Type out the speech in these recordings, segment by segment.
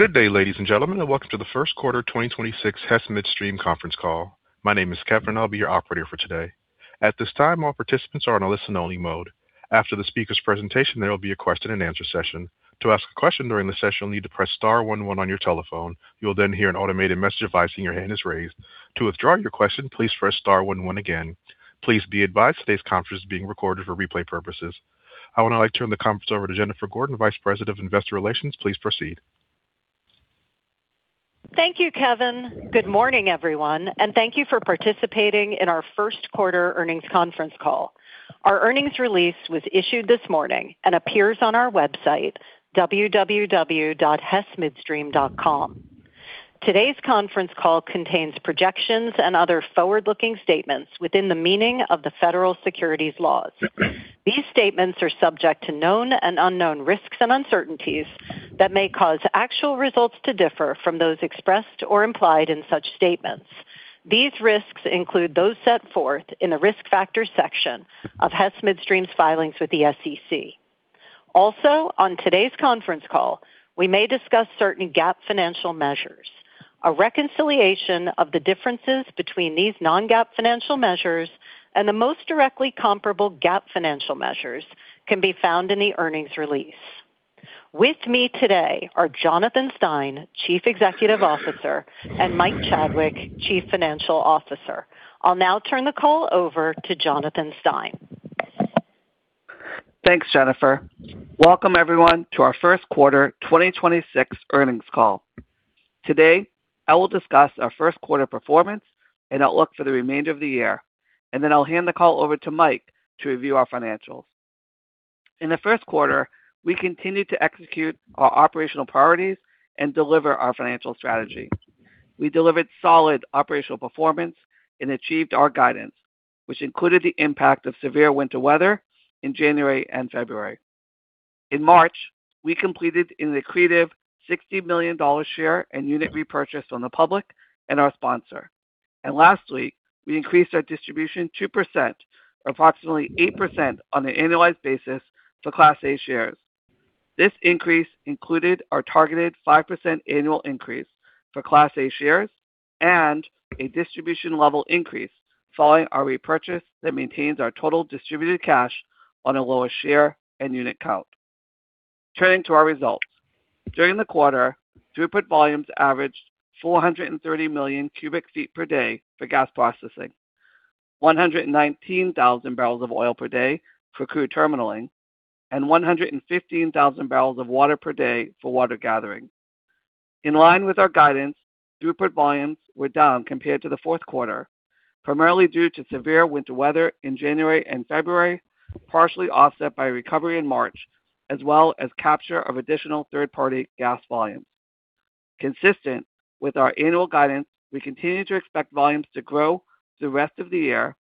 Good day, ladies and gentlemen, welcome to the first quarter 2026 Hess Midstream conference call. My name is Kevin. I'll be your operator for today. At this time, all participants are on a listen-only mode. After the speaker's presentation, there will be a question and answer session. To ask a question during the session, you'll need to press star one one on your telephone. You'll then hear an automated message advising your hand is raised. To withdraw your question, please press star one one again. Please be advised today's conference is being recorded for replay purposes. I would now like to turn the conference over to Jennifer Gordon, Vice President of Investor Relations. Please proceed. Thank you, Kevin. Good morning, everyone, and thank you for participating in our first quarter earnings conference call. Our earnings release was issued this morning and appears on our website, www.hessmidstream.com. Today's conference call contains projections and other forward-looking statements within the meaning of the Federal Securities laws. These statements are subject to known and unknown risks and uncertainties that may cause actual results to differ from those expressed or implied in such statements. These risks include those set forth in the Risk Factors section of Hess Midstream's filings with the SEC. Also, on today's conference call, we may discuss certain GAAP financial measures. A reconciliation of the differences between these non-GAAP financial measures and the most directly comparable GAAP financial measures can be found in the earnings release. With me today are Jonathan Stein, Chief Executive Officer, and Mike Chadwick, Chief Financial Officer. I'll now turn the call over to Jonathan Stein. Thanks, Jennifer. Welcome everyone to our first quarter 2026 earnings call. Today, I will discuss our first quarter performance and outlook for the remainder of the year. Then I'll hand the call over to Mike to review our financials. In the first quarter, we continued to execute our operational priorities and deliver our financial strategy. We delivered solid operational performance and achieved our guidance, which included the impact of severe winter weather in January and February. In March, we completed an accretive $60 million share and unit repurchase on the public and our sponsor. Last week, we increased our distribution 2%, approximately 8% on an annualized basis for Class A shares. This increase included our targeted 5% annual increase for Class A shares and a distribution level increase following our repurchase that maintains our total distributed cash on a lower share and unit count. Turning to our results. During the quarter, throughput volumes averaged 430 million cubic feet per day for gas processing, 119,000 BOPD for crude terminaling, and 115,000 BWPD for water gathering. In line with our guidance, throughput volumes were down compared to the fourth quarter, primarily due to severe winter weather in January and February, partially offset by recovery in March, as well as capture of additional third-party gas volumes. Consistent with our annual guidance, we continue to expect volumes to grow through the rest of the year,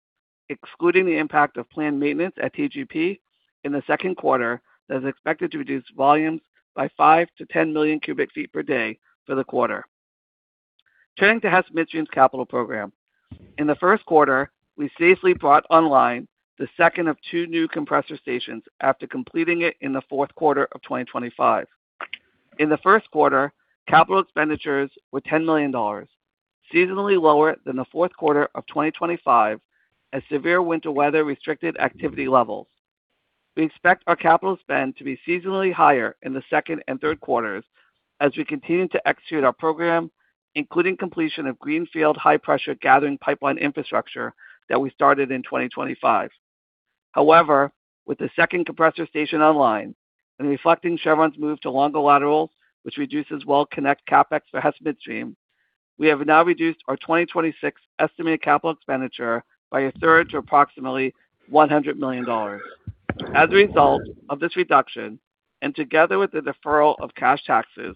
excluding the impact of planned maintenance at TGP in the second quarter that is expected to reduce volumes by 5 MMcfd-10 MMcfd for the quarter. Turning to Hess Midstream's capital program. In the first quarter, we safely brought online the second of two new compressor stations after completing it in the fourth quarter of 2025. In the first quarter, capital expenditures were $10 million, seasonally lower than the fourth quarter of 2025 as severe winter weather restricted activity levels. We expect our capital spend to be seasonally higher in the second and third quarters as we continue to execute our program, including completion of greenfield high-pressure gathering pipeline infrastructure that we started in 2025. However, with the second compressor station online and reflecting Chevron's move to longer laterals, which reduces well connect CapEx for Hess Midstream, we have now reduced our 2026 estimated capital expenditure by a third to approximately $100 million. As a result of this reduction and together with the deferral of cash taxes,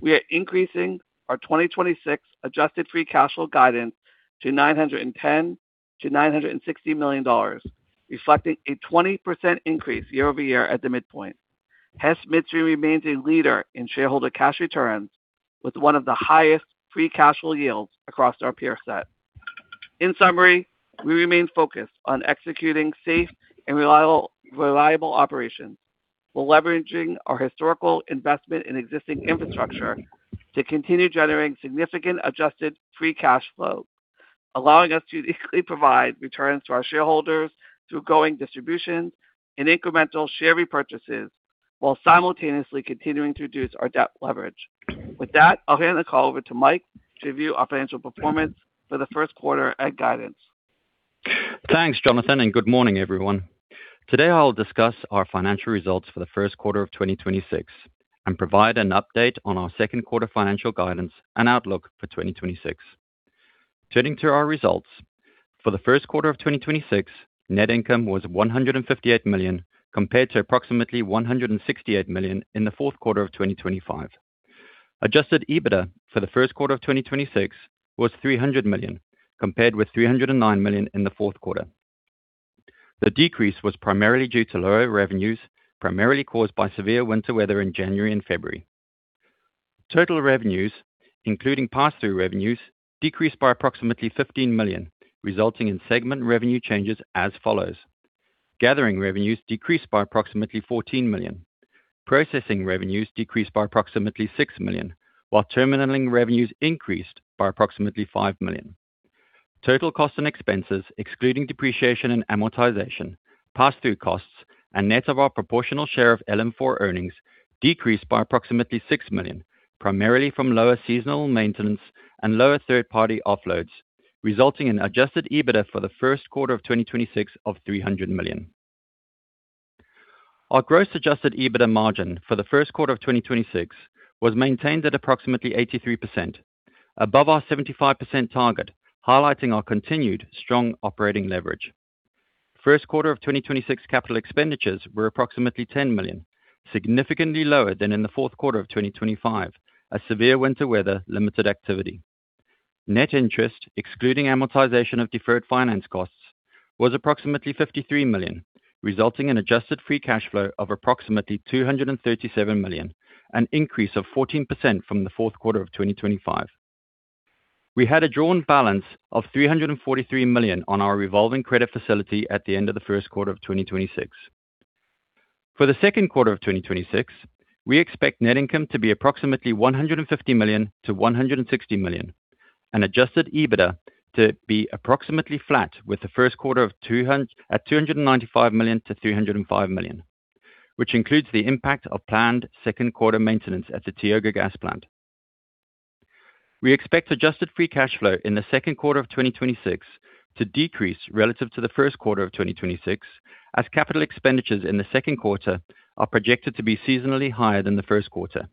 we are increasing our 2026 adjusted free cash flow guidance to $910 million-$960 million, reflecting a 20% increase year-over-year at the midpoint. Hess Midstream remains a leader in shareholder cash returns with one of the highest free cash flow yields across our peer set. In summary, we remain focused on executing safe and reliable operations while leveraging our historical investment in existing infrastructure to continue generating significant adjusted free cash flow, allowing us to easily provide returns to our shareholders through going distributions and incremental share repurchases while simultaneously continuing to reduce our debt leverage. With that, I'll hand the call over to Mike to review our financial performance for the first quarter and guidance. Thanks, Jonathan, and good morning, everyone. Today, I will discuss our financial results for the first quarter of 2026 and provide an update on our second quarter financial guidance and outlook for 2026. Turning to our results. For the first quarter of 2026, net income was $158 million, compared to approximately $168 million in the fourth quarter of 2025. Adjusted EBITDA for the first quarter of 2026 was $300 million, compared with $309 million in the fourth quarter. The decrease was primarily due to lower revenues, primarily caused by severe winter weather in January and February. Total revenues, including pass-through revenues, decreased by approximately $15 million, resulting in segment revenue changes as follows. Gathering revenues decreased by approximately $14 million. Processing revenues decreased by approximately $6 million, while terminalling revenues increased by approximately $5 million. Total costs and expenses, excluding depreciation and amortization, pass-through costs, and net of our proportional share of LM4 earnings decreased by approximately $6 million, primarily from lower seasonal maintenance and lower third party offloads, resulting in adjusted EBITDA for the first quarter of 2026 of $300 million. Our gross adjusted EBITDA margin for the first quarter of 2026 was maintained at approximately 83%, above our 75% target, highlighting our continued strong operating leverage. First quarter of 2026 capital expenditures were approximately $10 million, significantly lower than in the fourth quarter of 2025 as severe winter weather limited activity. Net interest, excluding amortization of deferred finance costs, was approximately $53 million, resulting in adjusted free cash flow of approximately $237 million, an increase of 14% from the fourth quarter of 2025. We had a drawn balance of $343 million on our revolving credit facility at the end of the first quarter of 2026. For the second quarter of 2026, we expect net income to be approximately $150 million-$160 million and adjusted EBITDA to be approximately flat with the first quarter at $295 million-$305 million, which includes the impact of planned second quarter maintenance at the Tioga Gas Plant. We expect adjusted free cash flow in the second quarter of 2026 to decrease relative to the first quarter of 2026 as capital expenditures in the second quarter are projected to be seasonally higher than the first quarter.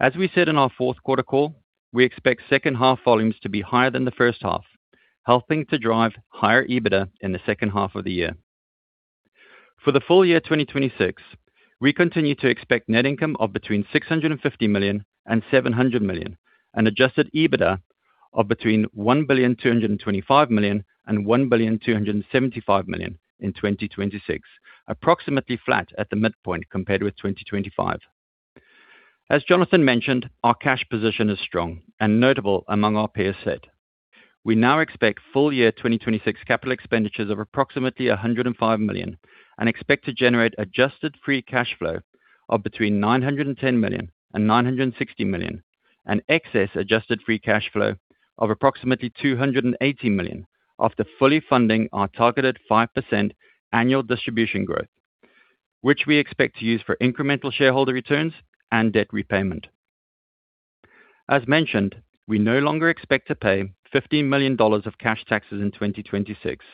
As we said in our fourth quarter call, we expect second half volumes to be higher than the first half, helping to drive higher EBITDA in the second half of the year. For the full year 2026, we continue to expect net income of between $650 million and $700 million, and adjusted EBITDA of between $1.225 million and $1.275 million in 2026, approximately flat at the midpoint compared with 2025. As Jonathan mentioned, our cash position is strong and notable among our peer set. We now expect full year 2026 capital expenditures of approximately $105 million and expect to generate adjusted free cash flow of between $910 million and $960 million, and excess adjusted free cash flow of approximately $280 million after fully funding our targeted 5% annual distribution growth, which we expect to use for incremental shareholder returns and debt repayment. As mentioned, we no longer expect to pay $50 million of cash taxes in 2026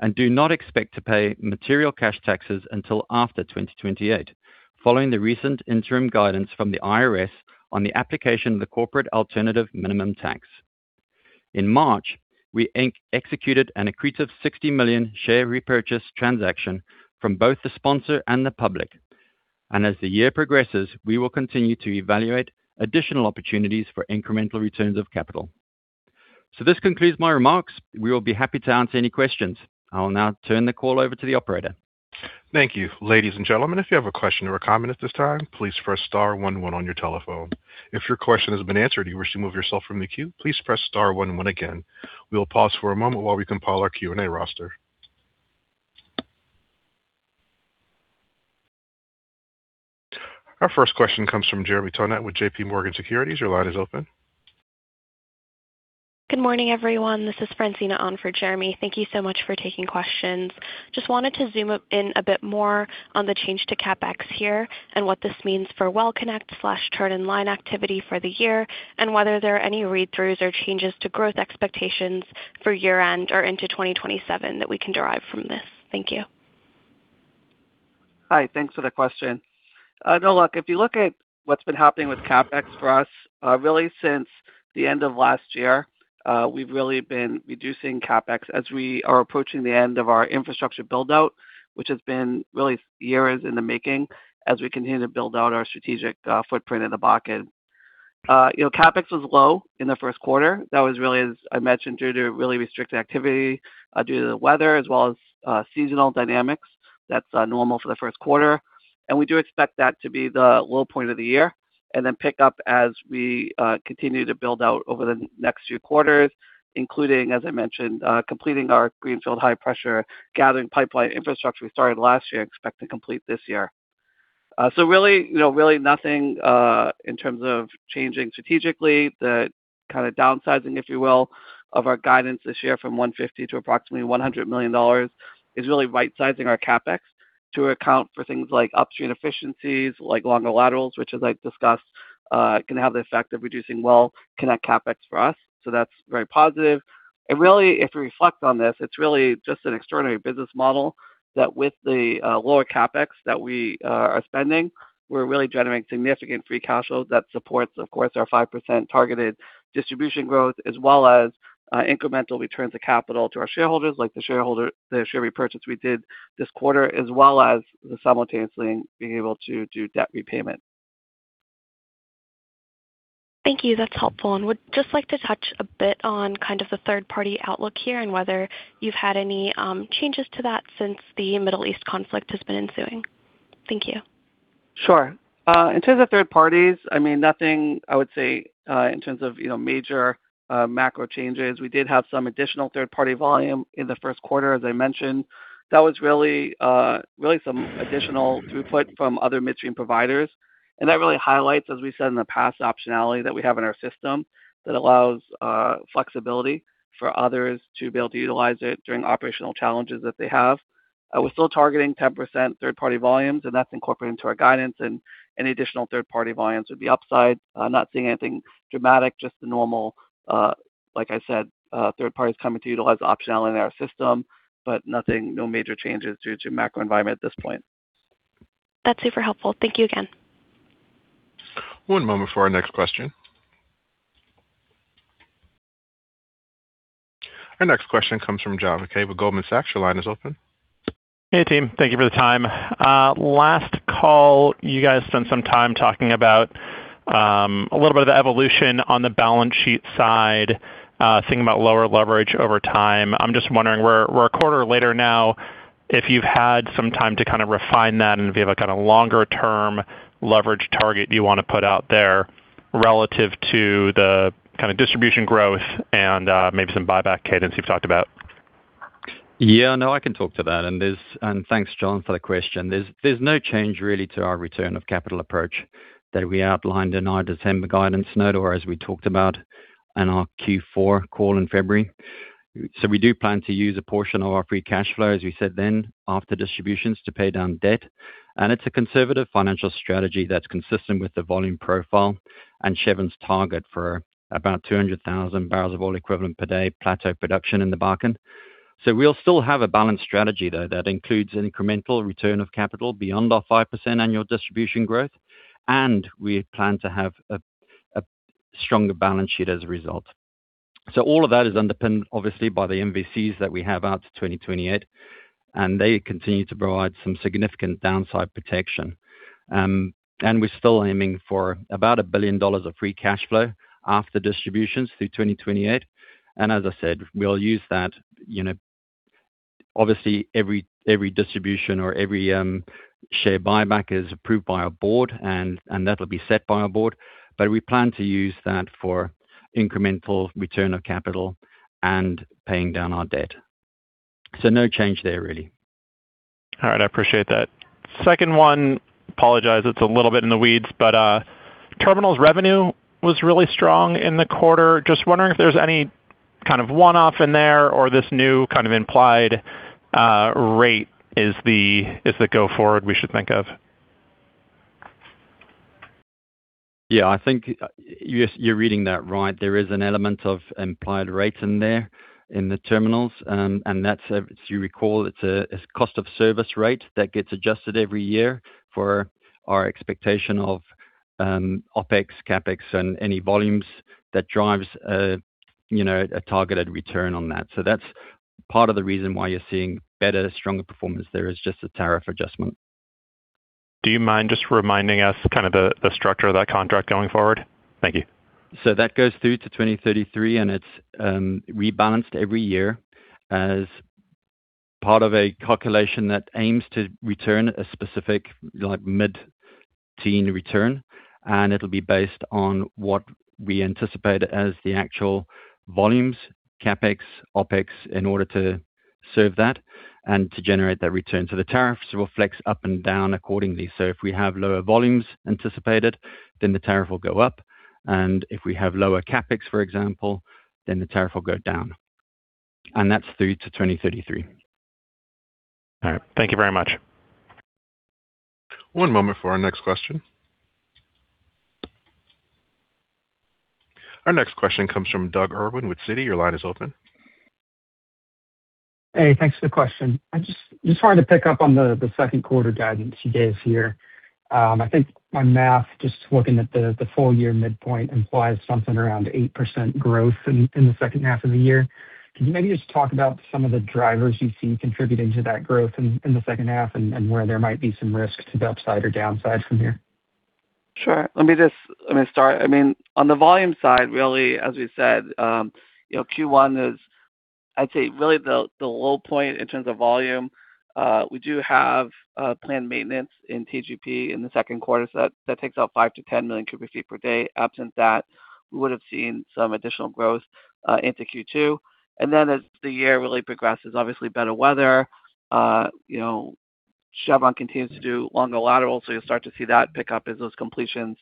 and do not expect to pay material cash taxes until after 2028, following the recent interim guidance from the IRS on the application of the Corporate Alternative Minimum Tax. In March, we executed an accretive 60 million share repurchase transaction from both the sponsor and the public. As the year progresses, we will continue to evaluate additional opportunities for incremental returns of capital. This concludes my remarks. We will be happy to answer any questions. I will now turn the call over to the operator. Thank you. Ladies and gentlemen, if you have a question or a comment at this time, please press star one one on your telephone. If your question has been answered and you wish to remove yourself from the queue, please press star one one again. We will pause for a moment while we compile our Q&A roster. Our first question comes from Jeremy Tonet with JPMorgan Securities. Your line is open. Good morning, everyone. This is Francine on for Jeremy. Thank you so much for taking questions. Wanted to zoom up in a bit more on the change to CapEx here and what this means for well connect/turn in line activity for the year, and whether there are any read-throughs or changes to growth expectations for year-end or into 2027 that we can derive from this. Thank you. Hi. Thanks for the question. No, look, if you look at what's been happening with CapEx for us, really since the end of last year, we've really been reducing CapEx as we are approaching the end of our infrastructure build-out, which has been really years in the making as we continue to build out our strategic footprint in the Bakken. You know, CapEx was low in the first quarter. That was really, as I mentioned, due to really restricted activity, due to the weather as well as seasonal dynamics. That's normal for the first quarter. We do expect that to be the low point of the year and then pick up as we continue to build out over the next few quarters, including, as I mentioned, completing our greenfield high-pressure gathering pipeline infrastructure we started last year, expect to complete this year. So really, you know, really nothing in terms of changing strategically. The kinda downsizing, if you will, of our guidance this year from $150 million to approximately $100 million is really right-sizing our CapEx to account for things like upstream efficiencies, like longer laterals, which as I've discussed, can have the effect of reducing WellConnect CapEx for us. That's very positive. Really, if we reflect on this, it's really just an extraordinary business model that with the lower CapEx that we are spending, we're really generating significant free cash flow that supports, of course, our 5% targeted distribution growth as well as incremental returns of capital to our shareholders, like the share repurchase we did this quarter, as well as simultaneously being able to do debt repayment. Thank you. That's helpful. Would just like to touch a bit on kind of the third party outlook here and whether you've had any changes to that since the Middle East conflict has been ensuing. Thank you. Sure. In terms of third parties, I mean, nothing I would say, in terms of, you know, major, macro changes. We did have some additional third-party volume in the first quarter, as I mentioned. That was really some additional throughput from other midstream providers. That really highlights, as we said in the past, optionality that we have in our system that allows flexibility for others to be able to utilize it during operational challenges that they have. We're still targeting 10% third-party volumes, and that's incorporated into our guidance, and any additional third-party volumes would be upside. I'm not seeing anything dramatic, just the normal, like I said, third parties coming to utilize the optionality in our system, but nothing, no major changes due to macro environment at this point. That's super helpful. Thank you again. One moment for our next question. Our next question comes from John Mackay with Goldman Sachs. Your line is open. Hey, team. Thank you for the time. Last call, you guys spent some time talking about a little bit of the evolution on the balance sheet side, thinking about lower leverage over time. I'm just wondering, we're a quarter later now, if you've had some time to kind of refine that and if you have a kind of longer-term leverage target you wanna put out there relative to the kind of distribution growth and maybe some buyback cadence you've talked about? Yeah. No, I can talk to that. Thanks, John, for the question. There's no change really to our return of capital approach that we outlined in our December guidance note or as we talked about in our Q4 call in February. We do plan to use a portion of our free cash flow, as we said then, after distributions to pay down debt. It's a conservative financial strategy that's consistent with the volume profile and Chevron's target for about 200,000 BOEPD plateau production in the Bakken. We'll still have a balanced strategy, though, that includes incremental return of capital beyond our 5% annual distribution growth, and we plan to have a stronger balance sheet as a result. All of that is underpinned obviously by the MVCs that we have out to 2028, and they continue to provide some significant downside protection. We're still aiming for about $1 billion of free cash flow after distributions through 2028. As I said, we'll use that, you know, obviously every distribution or every share buyback is approved by our board and that'll be set by our board. We plan to use that for incremental return of capital and paying down our debt. No change there, really. All right. I appreciate that. Second one, apologize, it's a little bit in the weeds, but, terminals revenue was really strong in the quarter. Just wondering if there's any kind of one-off in there or this new kind of implied, rate is the go forward we should think of? Yeah. I think you're reading that right. There is an element of implied rates in there in the terminals. That's, as you recall, it's a, it's cost of service rate that gets adjusted every year for our expectation of OpEx, CapEx and any volumes that drives, you know, a targeted return on that. That's part of the reason why you're seeing better, stronger performance. There is just a tariff adjustment. Do you mind just reminding us kind of the structure of that contract going forward? Thank you. That goes through to 2033, and it's rebalanced every year as part of a calculation that aims to return a specific like mid-teen return, and it'll be based on what we anticipate as the actual volumes, CapEx, OpEx, in order to serve that and to generate that return. The tariffs will flex up and down accordingly. If we have lower volumes anticipated, then the tariff will go up. If we have lower CapEx, for example, then the tariff will go down. That's through to 2033. All right. Thank you very much. One moment for our next question. Our next question comes from Doug Irwin with Citi. Your line is open. Hey, thanks for the question. I just wanted to pick up on the second quarter guidance you gave here. I think my math, just looking at the full year midpoint implies something around 8% growth in the second half of the year. Can you maybe just talk about some of the drivers you see contributing to that growth in the second half and where there might be some risk to the upside or downside from here? Sure. Let me start. I mean, on the volume side, really, as we said, you know, Q1 is, I'd say, really the low point in terms of volume. We do have planned maintenance in TGP in the second quarter, so that takes out 5 MMcfd-10 MMcfd. Absent that, we would have seen some additional growth into Q2. As the year really progresses, obviously better weather, you know, Chevron continues to do longer laterals, so you'll start to see that pick up as those completions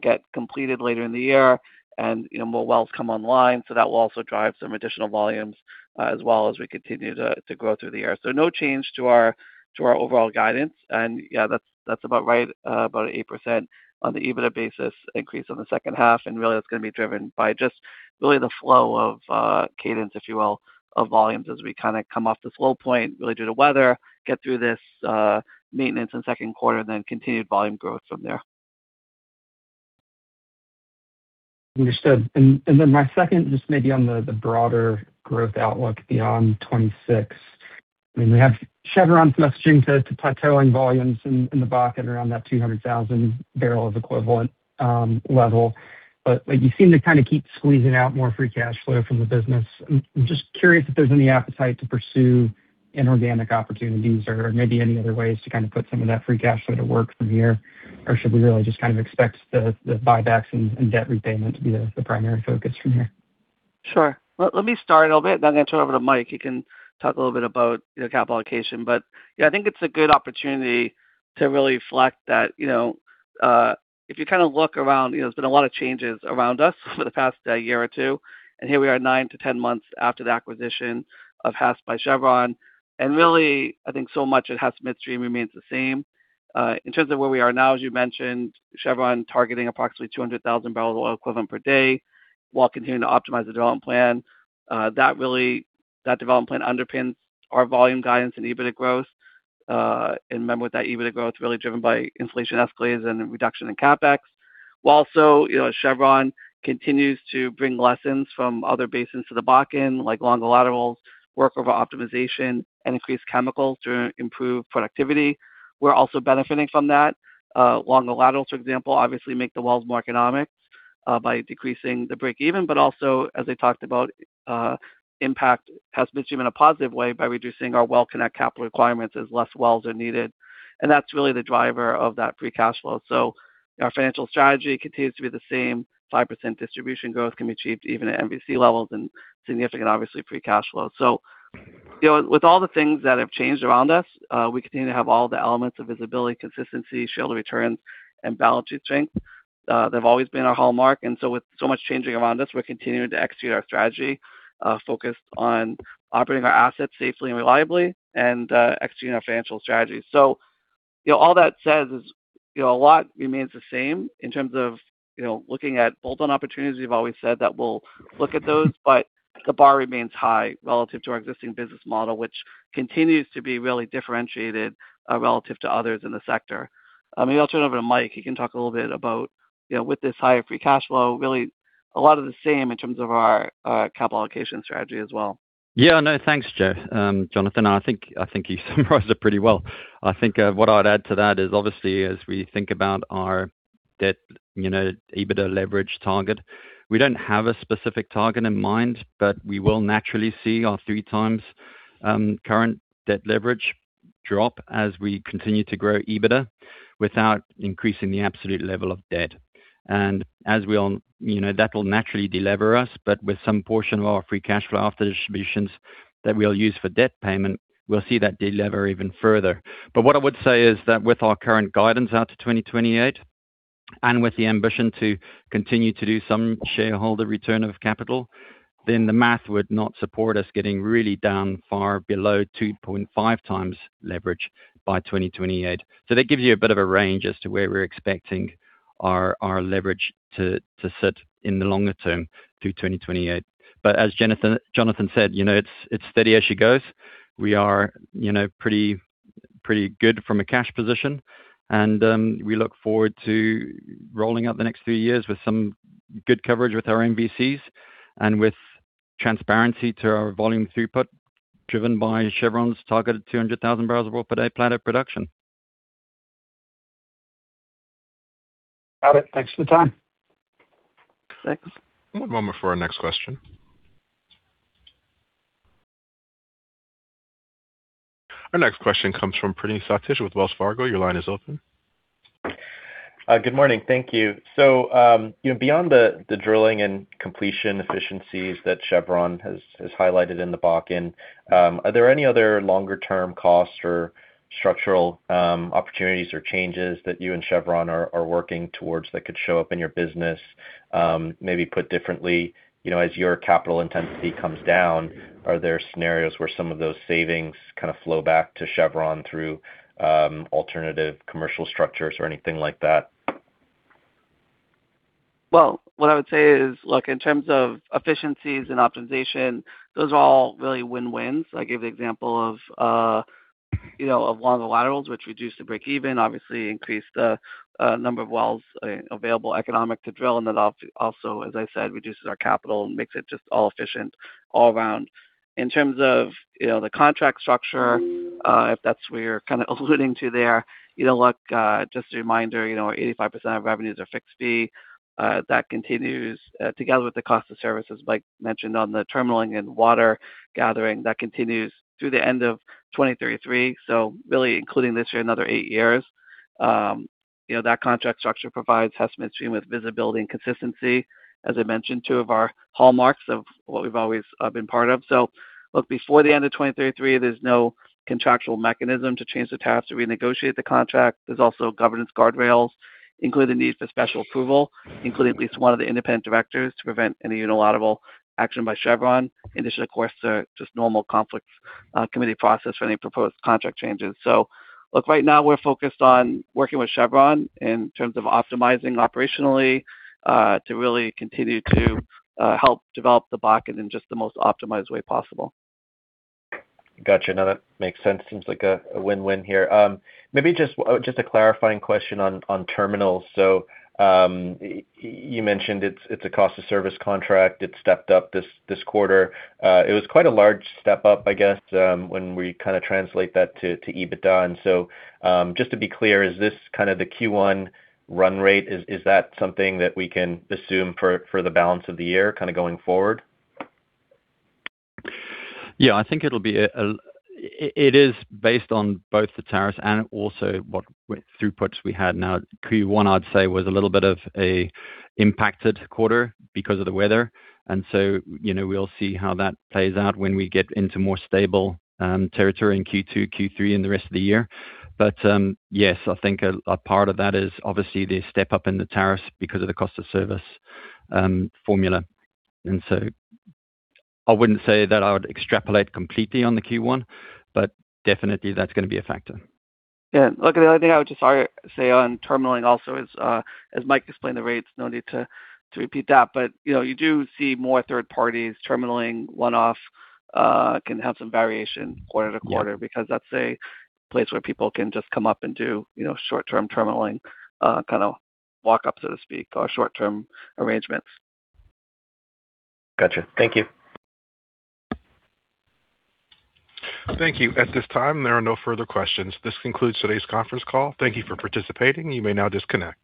get completed later in the year and, you know, more wells come online. That will also drive some additional volumes as well as we continue to grow through the year. No change to our, to our overall guidance. Yeah, that's about right, about 8% on the EBITDA basis increase in the second half. Really, that's going to be driven by just really the flow of cadence, if you will, of volumes as we kind of come off this low point really due to weather, get through this maintenance in second quarter, then continued volume growth from there. Understood. Then my second, just maybe on the broader growth outlook beyond 2026. We have Chevron's messaging to plateauing volumes in the Bakken around that 200,000 BOE level. You seem to kinda keep squeezing out more free cash flow from the business. I'm just curious if there's any appetite to pursue inorganic opportunities or maybe any other ways to kind of put some of that free cash flow to work from here. Should we really just kind of expect the buybacks and debt repayment to be the primary focus from here? Sure. Let me start a little bit, then I'm gonna turn over to Mike. He can talk a little bit about, you know, capital allocation. Yeah, I think it's a good opportunity to really reflect that, you know, if you kind of look around, you know, there's been a lot of changes around us for the past year or two, and here we are 9-10 months after the acquisition of Hess by Chevron. Really, I think so much at Hess Midstream remains the same. In terms of where we are now, as you mentioned, Chevron targeting approximately 200,000 BOEPD while continuing to optimize the development plan. That development plan underpins our volume guidance and EBITDA growth. Remember with that EBITDA growth really driven by inflation escalates and reduction in CapEx. You know, Chevron continues to bring lessons from other basins to the Bakken, like longer laterals, workover optimization, and increased chemicals to improve productivity. Longer laterals, for example, obviously make the wells more economic by decreasing the break even, but also, as I talked about, impact has been seen in a positive way by reducing our well connect capital requirements as less wells are needed. That's really the driver of that free cash flow. Our financial strategy continues to be the same. 5% distribution growth can be achieved even at MVC levels and significant, obviously, free cash flow. You know, with all the things that have changed around us, we continue to have all the elements of visibility, consistency, shareholder returns, and balance sheet strength. They've always been our hallmark, and so with so much changing around us, we're continuing to execute our strategy, focused on operating our assets safely and reliably and, executing our financial strategy. You know, all that says is, you know, a lot remains the same in terms of, you know, looking at bolt-on opportunities. We've always said that we'll look at those, but the bar remains high relative to our existing business model, which continues to be really differentiated, relative to others in the sector. Maybe I'll turn it over to Mike. He can talk a little bit about, you know, with this higher free cash flow, really a lot of the same in terms of our capital allocation strategy as well. No, thanks, Jonathan. I think you summarized it pretty well. I think what I'd add to that is, obviously, as we think about our debt, you know, EBITDA leverage target, we don't have a specific target in mind, but we will naturally see our 3x current debt leverage drop as we continue to grow EBITDA without increasing the absolute level of debt. You know, that will naturally de-lever us, but with some portion of our free cash flow after distributions that we'll use for debt payment, we'll see that de-lever even further. What I would say is that with our current guidance out to 2028, and with the ambition to continue to do some shareholder return of capital, the math would not support us getting really down far below 2.5x leverage by 2028. That gives you a bit of a range as to where we're expecting our leverage to sit in the longer term through 2028. As Jonathan said, you know, it's steady as she goes. We are, you know, pretty good from a cash position. We look forward to rolling out the next few years with some good coverage with our MVCs and with transparency to our volume throughput driven by Chevron's targeted 200,000 BOPD planned production. Got it. Thanks for the time. Thanks. One moment for our next question. Our next question comes from Praneeth Satish with Wells Fargo. Your line is open. Good morning. Thank you. You know, beyond the drilling and completion efficiencies that Chevron has highlighted in the Bakken, are there any other longer-term costs or structural opportunities or changes that you and Chevron are working towards that could show up in your business? Maybe put differently, you know, as your capital intensity comes down, are there scenarios where some of those savings kind of flow back to Chevron through alternative commercial structures or anything like that? Well, what I would say is, look, in terms of efficiencies and optimization, those are all really win-wins. I gave the example of, you know, of longer laterals which reduce the break even, obviously increase the number of wells, available economic to drill, and that also, as I said, reduces our capital and makes it just all efficient all around. In terms of, you know, the contract structure, if that's what you're kind of alluding to there, you know, look, just a reminder, you know, 85% of revenues are fixed fee. That continues, together with the cost of services Mike mentioned on the terminaling and water gathering, that continues through the end of 2033. Really including this year, another eight years. You know, that contract structure provides Hess Midstream with visibility and consistency, as I mentioned, two of our hallmarks of what we've always been part of. Before the end of 2033, there's no contractual mechanism to change the tariff to renegotiate the contract. There's also governance guardrails, including the need for special approval, including at least one of the independent directors to prevent any unilateral action by Chevron. In addition, of course, just normal conflict committee process for any proposed contract changes. Right now we're focused on working with Chevron in terms of optimizing operationally, to really continue to help develop the Bakken in just the most optimized way possible. Got you. No, that makes sense. Seems like a win-win here. Maybe just a clarifying question on terminals. You mentioned it's a cost of service contract. It stepped up this quarter. It was quite a large step up, I guess, when we kinda translate that to EBITDA. Just to be clear, is this kind of the Q1 run rate? Is that something that we can assume for the balance of the year kinda going forward? Yeah. It is based on both the tariffs and also what throughputs we had. Now Q1, I'd say, was a little bit of an impacted quarter because of the weather. You know, we'll see how that plays out when we get into more stable territory in Q2, Q3, and the rest of the year. Yes, I think a part of that is obviously the step up in the tariffs because of the cost of service formula. I wouldn't say that I would extrapolate completely on the Q1, but definitely that's gonna be a factor. Yeah. Look, the only thing I would just say on terminaling also is, as Mike explained the rates, no need to repeat that, but you know, you do see more third parties terminaling one-off, can have some variation quarter to quarter. Yeah. Because that's a place where people can just come up and do, you know, short-term terminaling, kinda walk up, so to speak, or short-term arrangements. Gotcha. Thank you. Thank you. At this time, there are no further questions. This concludes today's conference call. Thank you for participating. You may now disconnect.